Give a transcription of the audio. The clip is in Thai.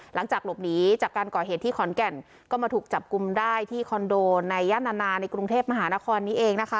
หลังจากหลบหนีจากการก่อเหตุที่ขอนแก่นก็มาถูกจับกลุ่มได้ที่คอนโดในย่านนานาในกรุงเทพมหานครนี้เองนะคะ